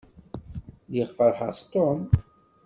Lliɣ feṛḥeɣ s Tom.